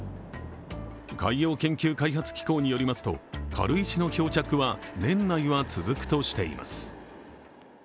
海洋研究開発機構によりますと軽石の漂着は年内は続くとしています。